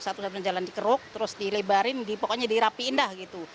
satu satunya jalan dikeruk terus dilebarin pokoknya dirapiin dah gitu